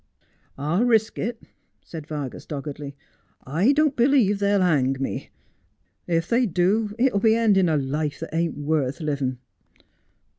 ' I'll risk it,' said Vargas doggedly. ' I don't believe they'll hang me. If they do it'll be ending a life that ain't worth living.